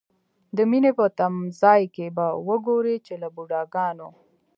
د مینې په تمځای کې به وګورئ چې له بوډاګانو.